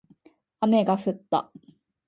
雨が降った